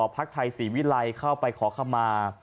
พักไทยศรีวิลัยเข้าไปขอขมา